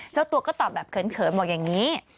เจ้าตัวก็ตอบแบบเขินบอกอย่างนี้